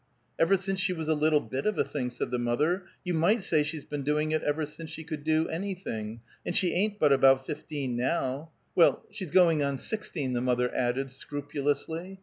"Ever since she was a little bit of a thing," said the mother. "You might say she's been doing it ever since she could do anything; and she ain't but about fifteen, now. Well, she's going on sixteen," the mother added, scrupulously.